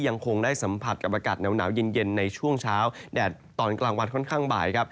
ยังคงได้สัมผัสกับอากาศหนาวเย็นในช่วงเช้าแดดตอนกลางวันค่อนข้างบ่ายครับ